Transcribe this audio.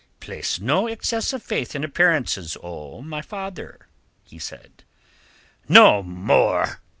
"Place no excess of faith in appearances, O my father!" he said. "No more!"